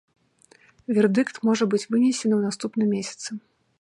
Вердыкт можа быць вынесены ў наступным месяцы.